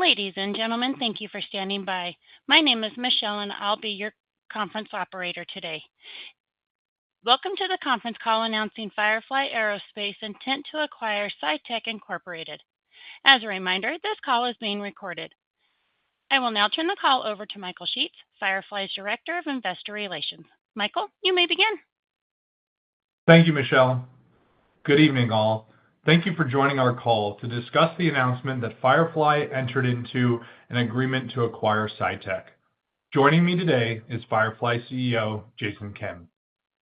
Ladies and gentlemen, thank you for standing by. My name is Michelle, and I'll be your conference operator today. Welcome to the conference call announcing Firefly Aerospace's intent to acquire SciTec, Incorporated. As a reminder, this call is being recorded. I will now turn the call over to Michael Sheetz, Firefly's Director of Investor Relations. Michael, you may begin. Thank you, Michelle. Good evening, all. Thank you for joining our call to discuss the announcement that Firefly entered into an agreement to acquire SciTec. Joining me today is Firefly CEO, Jason Kim.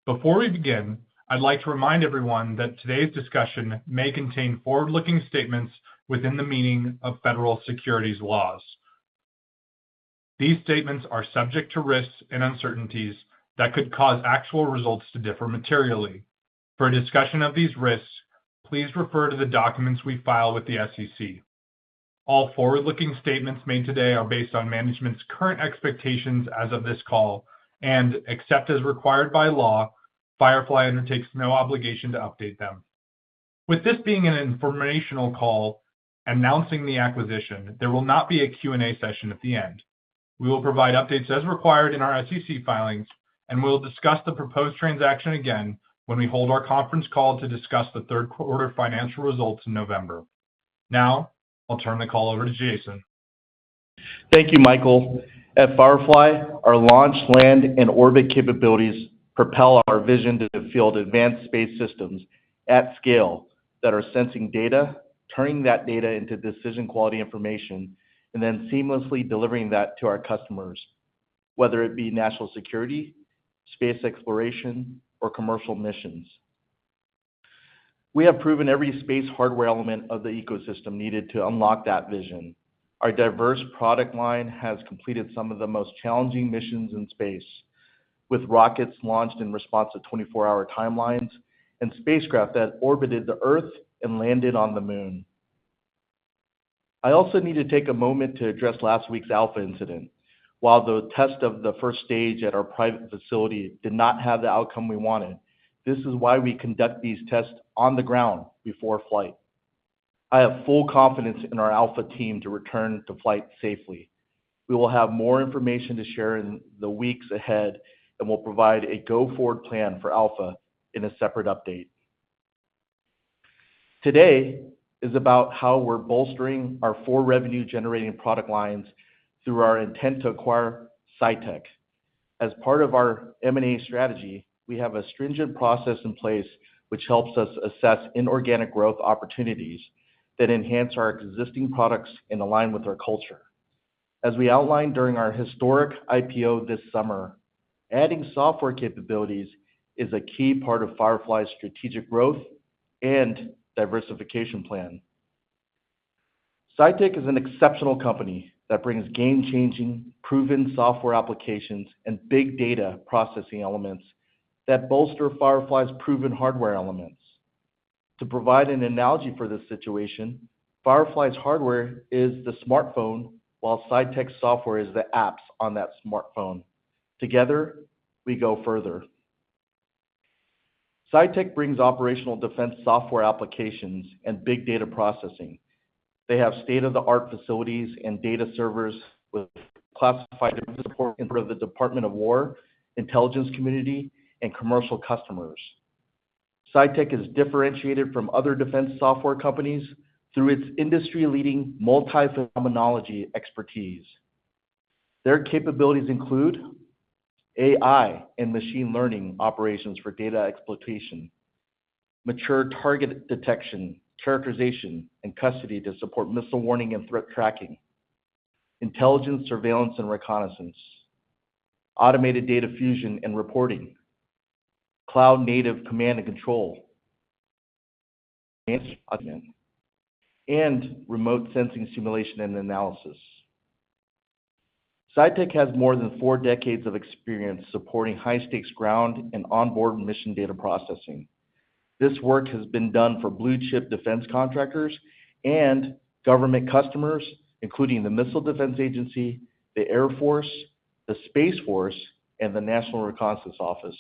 Before we begin, I'd like to remind everyone that today's discussion may contain forward-looking statements within the meaning of federal securities laws. These statements are subject to risks and uncertainties that could cause actual results to differ materially. For a discussion of these risks, please refer to the documents we file with the SEC. All forward-looking statements made today are based on management's current expectations as of this call and, except as required by law, Firefly undertakes no obligation to update them. With this being an informational call announcing the acquisition, there will not be a Q&A session at the end. We will provide updates as required in our SEC filings, and we'll discuss the proposed transaction again when we hold our conference call to discuss the third-quarter financial results in November. Now, I'll turn the call over to Jason. Thank you, Michael. At Firefly, our launch, land, and orbit capabilities propel our vision to field advanced space systems at scale that are sensing data, turning that data into decision-quality information, and then seamlessly delivering that to our customers, whether it be national security, space exploration, or commercial missions. We have proven every space hardware element of the ecosystem needed to unlock that vision. Our diverse product line has completed some of the most challenging missions in space, with rockets launched in response to 24-hour timelines and spacecraft that orbited the Earth and landed on the Moon. I also need to take a moment to address last week's Alpha incident. While the test of the first stage at our private facility did not have the outcome we wanted, this is why we conduct these tests on the ground before flight. I have full confidence in our Alpha team to return to flight safely. We will have more information to share in the weeks ahead, and we'll provide a go-forward plan for Alpha in a separate update. Today is about how we're bolstering our four revenue-generating product lines through our intent to acquire SciTec. As part of our M&A strategy, we have a stringent process in place which helps us assess inorganic growth opportunities that enhance our existing products and align with our culture. As we outlined during our historic IPO this summer, adding software capabilities is a key part of Firefly's strategic growth and diversification plan. SciTec is an exceptional company that brings game-changing, proven software applications and big data processing elements that bolster Firefly's proven hardware elements. To provide an analogy for this situation, Firefly's hardware is the smartphone, while SciTec's software is the apps on that smartphone. Together, we go further. SciTec brings operational defense software applications and big data processing. They have state-of-the-art facilities and data servers with classified support from the U.S. Department of Defense, intelligence community, and commercial customers. SciTec is differentiated from other defense software companies through its industry-leading multi-phenomenology expertise. Their capabilities include AI and machine learning operations for data exploitation, mature target detection, characterization, and custody to support missile warning and threat tracking, intelligence surveillance and reconnaissance, automated data fusion and reporting, cloud-native command and control, and remote sensing simulation and analysis. SciTec has more than four decades of experience supporting high-stakes ground and onboard mission data processing. This work has been done for blue-chip defense contractors and government customers, including the Missile Defense Agency, the U.S. Air Force, the U.S. Space Force, and the National Reconnaissance Office.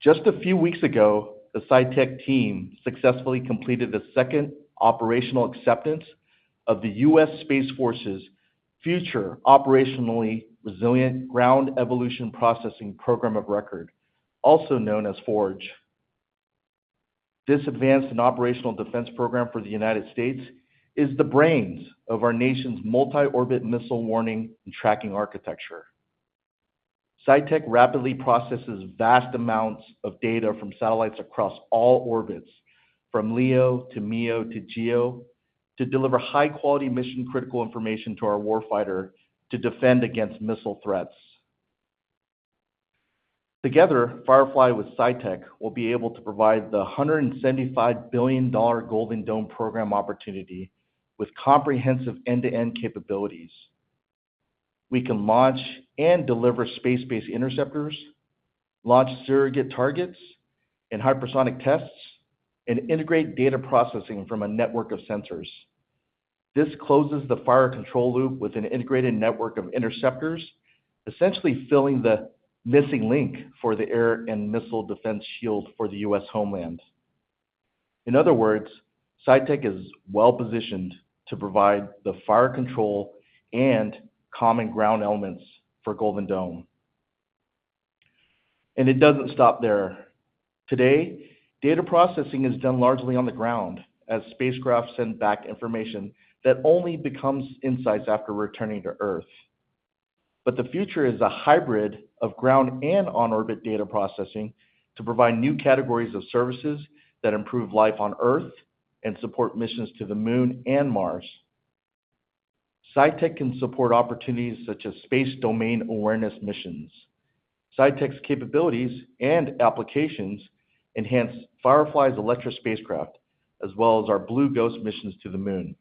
Just a few weeks ago, the SciTec team successfully completed the second operational acceptance of the U.S. Space Force's Future Operationally Resilient Ground Evolution processing program of record, also known as FORGE. This advanced and operational defense program for the United States is the brains of our nation's multi-orbit missile warning and tracking architecture. SciTec rapidly processes vast amounts of data from satellites across all orbits, from LEO to MEO to GEO, to deliver high-quality mission-critical information to our warfighter to defend against missile threats. Together, Firefly with SciTec will be able to provide the $175 billion Golden Dome program opportunity with comprehensive end-to-end capabilities. We can launch and deliver space-based interceptors, launch surrogate targets and hypersonic tests, and integrate data processing from a network of sensors. This closes the fire control loop with an integrated network of interceptors, essentially filling the missing link for the air and missile defense shield for the U.S. homeland. In other words, SciTec is well-positioned to provide the fire control and common ground elements for Golden Dome. And it doesn't stop there. Today, data processing is done largely on the ground, as spacecraft send back information that only becomes insights after returning to Earth. But the future is a hybrid of ground and on-orbit data processing to provide new categories of services that improve life on Earth and support missions to the Moon and Mars. SciTec can support opportunities such as space domain awareness missions. SciTec's capabilities and applications enhance Firefly's electric spacecraft, as well as our Blue Ghost missions to the Moon.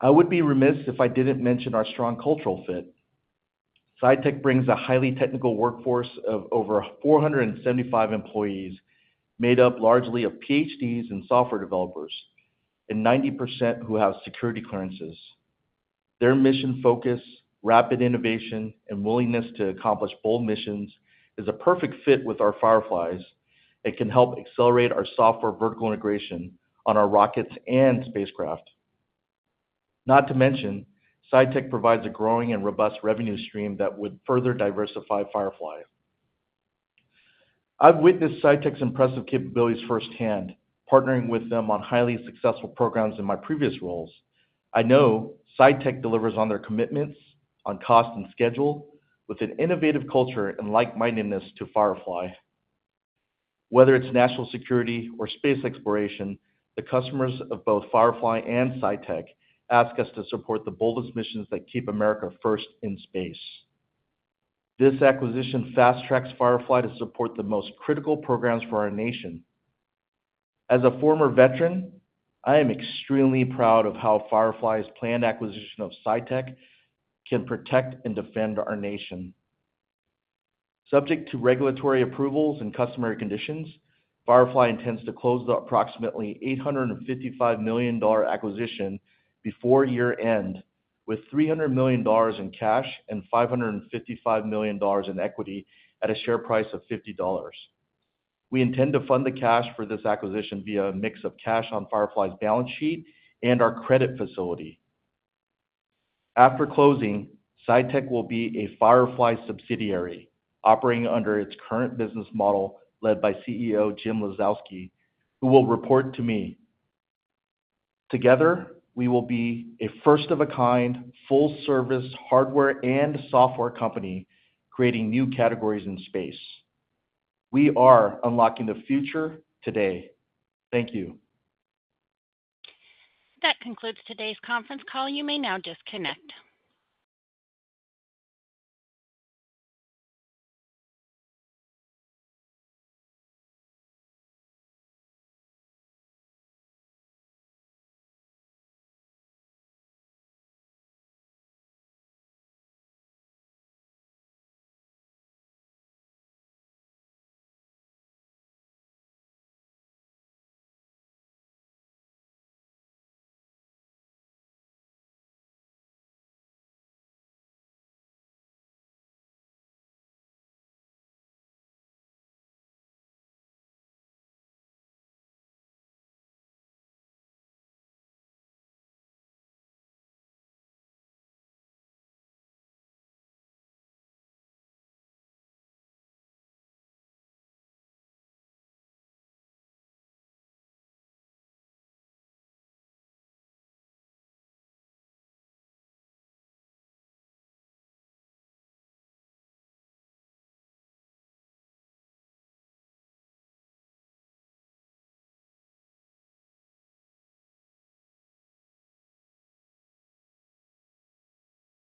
I would be remiss if I didn't mention our strong cultural fit. SciTec brings a highly technical workforce of over 475 employees made up largely of PhDs and software developers, and 90% who have security clearances. Their mission focus, rapid innovation, and willingness to accomplish bold missions is a perfect fit with our Firefly's and can help accelerate our software vertical integration on our rockets and spacecraft. Not to mention, SciTec provides a growing and robust revenue stream that would further diversify Firefly. I've witnessed SciTec's impressive capabilities firsthand, partnering with them on highly successful programs in my previous roles. I know SciTec delivers on their commitments on cost and schedule with an innovative culture and like-mindedness to Firefly. Whether it's national security or space exploration, the customers of both Firefly and SciTec ask us to support the boldest missions that keep America first in space. This acquisition fast-tracks Firefly to support the most critical programs for our nation. As a former veteran, I am extremely proud of how Firefly's planned acquisition of SciTec can protect and defend our nation. Subject to regulatory approvals and customary conditions, Firefly intends to close the approximately $855 million acquisition before year-end with $300 million in cash and $555 million in equity at a share price of $50. We intend to fund the cash for this acquisition via a mix of cash on Firefly's balance sheet and our credit facility. After closing, SciTec will be a Firefly subsidiary operating under its current business model led by CEO Jim Lazowski, who will report to me. Together, we will be a first-of-a-kind, full-service hardware and software company creating new categories in space. We are unlocking the future today. Thank you. That concludes today's conference call. You may now disconnect.